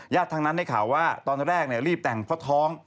ทั้งนั้นได้ข่าวว่าตอนแรกรีบแต่งเพราะท้อง